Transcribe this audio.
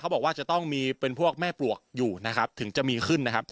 บอกว่าจะต้องมีเป็นพวกแม่ปลวกอยู่นะครับถึงจะมีขึ้นนะครับ